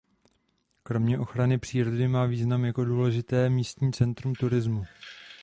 Kromě ochrany přírody má význam jako důležité místní centrum turismu.